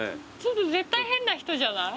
絶対変な人じゃない？